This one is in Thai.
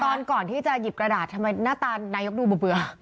ตอนก่อนที่จะหยิบกระดาษทำไมหน้าตานายกดูเบื่อ